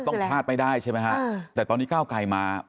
มันต้องพาดอย่างไม่ได้ใช่ไหมแต่ตอนนี้ก้าวก๋ายมา